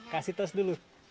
kasih tos dulu